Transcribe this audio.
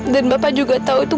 dan bapak juga tau itu